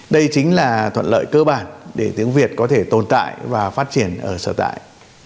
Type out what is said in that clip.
đây chính là thuận lợi cơ bản để tiếng việt có thể tồn tại và phát triển ở sở tại